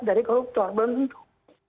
dari koruptor belum tentu